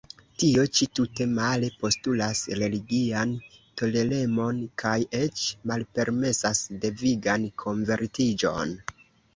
Tio ĉi, tute male, postulas religian toleremon kaj eĉ malpermesas devigan konvertiĝon.